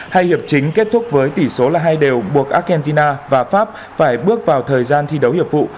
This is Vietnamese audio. hai hiệp chính kết thúc với tỷ số là hai đều buộc argentina và pháp phải bước vào thời gian thi đấu hiệp vụ